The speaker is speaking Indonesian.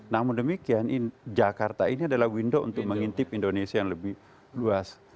namun demikian jakarta ini adalah window untuk mengintip indonesia yang lebih luas